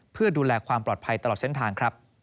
เพื่อดูแลความปลอดภัยตลอดเส้นทางครับ